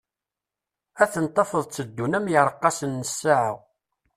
Ad ten-tafeḍ tteddun am yireqqasen n ssaɛa.